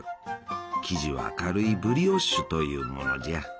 生地は軽いブリオッシュというものじゃ。